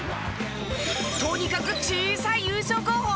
とにかく小さい優勝候補。